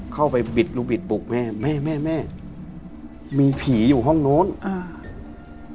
เข้าไปบิดลูกบิดปลูกแม่แม่แม่แม่มีผีอยู่ห้องนู้นอ่า